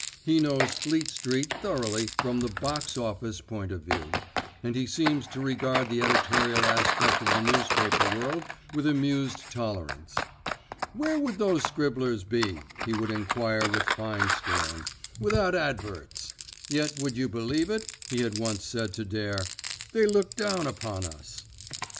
He knows Fleet Street thoroughly from the "box office" point of view, and he seems to regard the editorial aspect of the newspaper world with amused tolerance. "Where would those scribblers be," he would enquire with fine scorn, "without adverts.? Yet would you believe it," he had once said to Dare, "they look down upon us?"